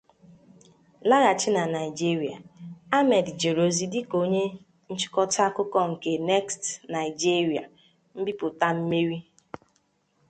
Laghachi na Naijiria, Ahmed jere ozi dịka onye nchịkọta akụkọ nke "Next (Naijiria)", mbipụta mmeri.